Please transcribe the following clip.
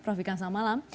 prof vika selamat malam